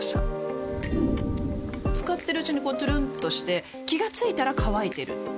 使ってるうちにこうトゥルンとして気が付いたら乾いてる